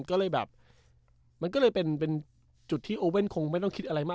ก็เลยแบบมันก็เลยเป็นจุดที่โอเว่นคงไม่ต้องคิดอะไรมาก